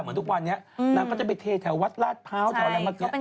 เหมือนทุกวันนี้นางก็จะไปเทแถววัดลาดพร้าวแถวอะไรเมื่อกี้